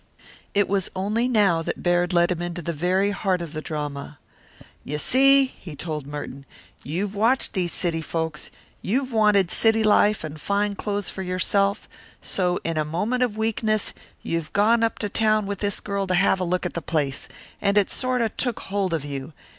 It was only now that Baird let him into the very heart of the drama. "You see," he told Merton, "you've watched these city folks; you've wanted city life and fine clothes for yourself; so, in a moment of weakness, you've gone up to town with this girl to have a look at the place, and it sort of took hold of you.